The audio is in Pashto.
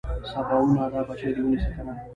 سباوونه دا بچي دې ونيسه کنه.